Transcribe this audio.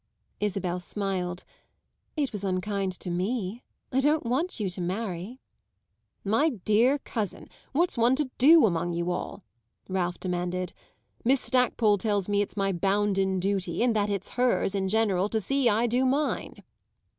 Isabel smiled. "It was unkind to me. I don't want you to marry." "My dear cousin, what's one to do among you all?" Ralph demanded. "Miss Stackpole tells me it's my bounden duty, and that it's hers, in general, to see I do mine!"